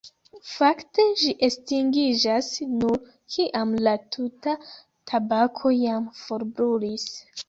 Fakte, ĝi estingiĝas nur kiam la tuta tabako jam forbrulis.